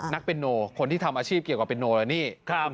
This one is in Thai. นักเป็นนูคนที่ทำอาชีพเกี่ยวกับเป็นนู